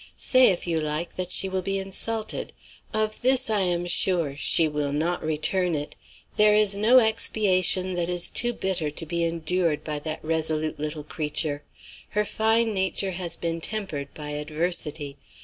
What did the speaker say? Say, if you like, that she will be insulted of this I am sure, she will not return it; there is no expiation that is too bitter to be endured by that resolute little creature. Her fine nature has been tempered by adversity.